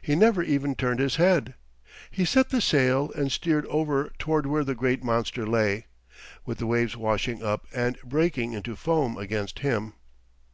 He never even turned his head. He set the sail and steered over toward where the great monster lay, with the waves washing up and breaking into foam against him.